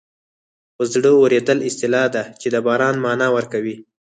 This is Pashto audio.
په زړه اورېدل اصطلاح ده چې د باران مانا ورکوي